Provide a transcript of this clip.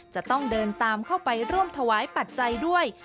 จะต้องเดินตามเข้าไปร่วมถวายปัจจัยด้วย